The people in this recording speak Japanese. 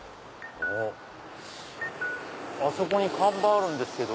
あそこに看板あるんですけど。